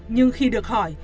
nhưng khi được hỏi